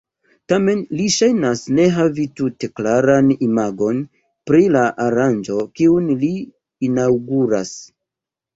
Tamen li ŝajnas ne havi tute klaran imagon pri la aranĝo kiun li inaŭguras.